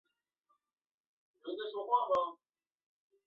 沙口镇是下辖的一个乡镇级行政单位。